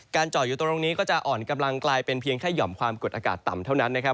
จอดอยู่ตรงนี้ก็จะอ่อนกำลังกลายเป็นเพียงแค่ห่อมความกดอากาศต่ำเท่านั้นนะครับ